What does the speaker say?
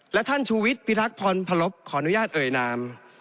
และท่านชูวิทย์พิทักษ์พรพลบขออนุญาตเอ่ยนาม